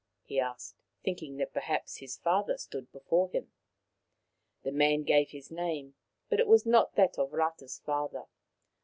" he asked, thinking that perhaps his father stood before him. The man gave his name, but it was not that of Rata's father.